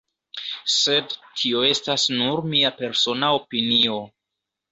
Sed tio estas nur mia persona opinio.